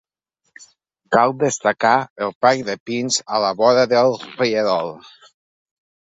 Cal destacar el parc de pins a la vora del rierol.